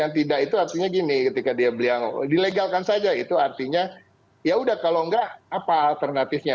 yang tidak itu artinya gini ketika dia beli yang dilegalkan saja itu artinya yaudah kalau enggak apa alternatifnya